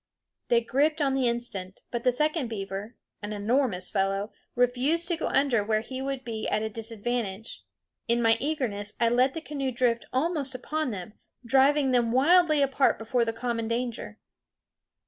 They gripped on the instant, but the second beaver, an enormous fellow, refused to go under where he would be at a disadvantage. In my eagerness I let the canoe drift almost upon them, driving them wildly apart before the common danger.